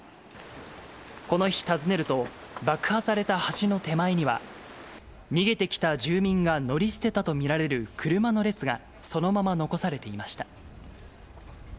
この日、訪ねると、爆破された橋の手前には、逃げてきた住民が乗り捨てたと見られる車の列が、そのまま残されていました。